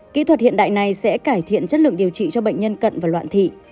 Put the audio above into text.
kỹ thuật hiện đại này sẽ cải thiện chất lượng điều trị cho bệnh nhân cận và loạn thị